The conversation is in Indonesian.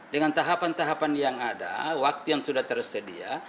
dengan tahapan tahapan yang ada waktu yang sudah tersedia